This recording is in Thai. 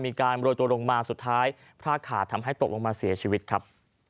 มีการโรยตัวลงมาสุดท้ายพรากขาดทำให้ตกลงมาเสียชีวิตครับ